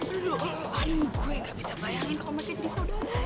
aduh gue ga bisa bayangin kalo mereka jadi saudara